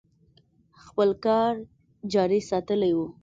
خپل کار جاري ساتلی و.